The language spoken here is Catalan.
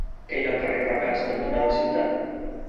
Què hi ha al carrer Regàs cantonada Ciutat?